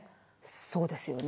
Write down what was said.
そうですよね。